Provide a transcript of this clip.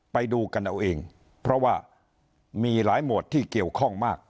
ไปดูกันเอาเองเพราะว่ามีหลายหมวดที่เกี่ยวข้องมาก